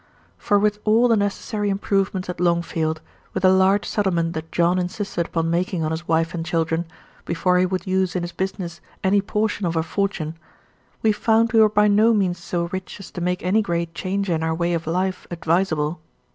For with all the necessary improvements at Longfield, with the large settlement that John insisted upon making on his wife and children, before he would use in his business any portion of her fortune, we found we were by no means so rich as to make any great change in our way of life advisable.